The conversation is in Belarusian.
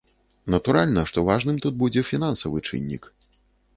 Натуральна, што важным тут будзе фінансавы чыннік.